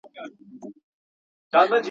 پر موږ راغلې توره بلا ده.